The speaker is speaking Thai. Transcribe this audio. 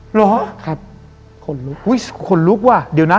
หรอค่ะคนลุกว่ะเดี๋ยวนะ